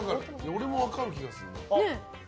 俺も分かる気がする。